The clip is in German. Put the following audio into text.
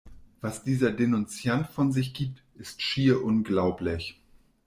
Was dieser Denunziant von sich gibt, ist schier unglaublich!